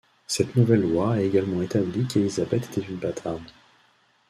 Cette nouvelle loi a également établi qu'Elizabeth était une bâtarde.